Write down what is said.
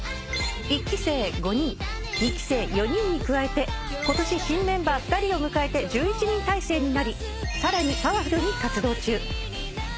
［一期生５人二期生４人に加えて今年新メンバー２人を迎えて１１人体制になりさらにパワフルに活動中］